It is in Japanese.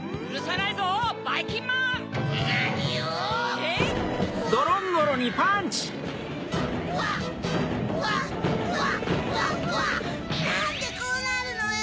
なんでこうなるのよ！